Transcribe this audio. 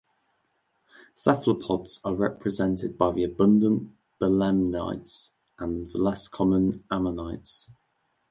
Cephalopods are represented by the abundant belemnites and the less common ammonites.